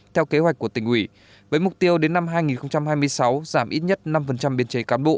hai nghìn hai mươi hai hai nghìn hai mươi sáu theo kế hoạch của tỉnh ủy với mục tiêu đến năm hai nghìn hai mươi sáu giảm ít nhất năm biên chế cán bộ